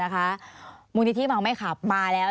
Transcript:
มีความรู้สึกว่ามีความรู้สึกว่า